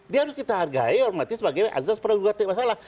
dia harus kita hargai sebagai azaz peragugatan yang salah